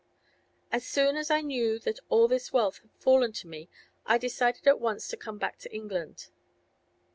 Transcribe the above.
'As soon as I knew that all this wealth had fallen to me I decided at once to come back to England.